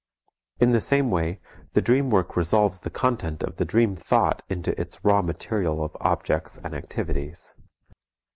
In the same way, the dream work resolves the content of the dream thought into its raw material of objects and activities.